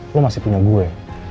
lo masih punya gue